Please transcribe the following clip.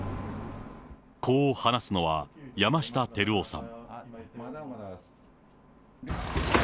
こう話すのは、山下輝雄さん。